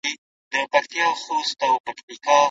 ایا د سبزیو استعمال د عمر په اوږدوالي کي مرسته کوي؟